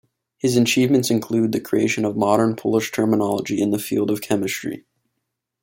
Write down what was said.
His achievements include the creation of modern Polish terminology in the field of chemistry.